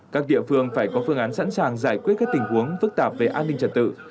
các địa phương phải có phương án sẵn sàng giải quyết các tình huống phức tạp về an ninh trật tự